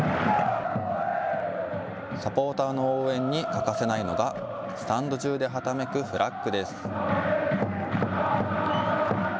サポーターの応援に欠かせないのがスタンド中ではためくフラッグです。